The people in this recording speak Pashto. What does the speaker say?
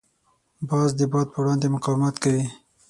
باز د باد په وړاندې مقاومت کوي